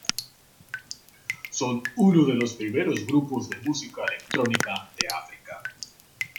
Son uno de los primeros grupos de música electrónica de África.